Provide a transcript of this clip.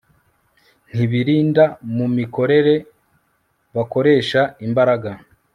Ntibirinda mu mikorere Bakoresha imbaraga